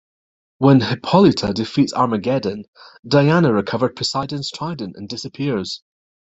While Hippolyta defeats Armageddon, Diana recovers Poseidon's Trident and disappears.